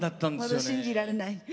まだ信じられない。